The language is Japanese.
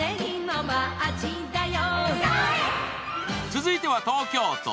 続いては東京都。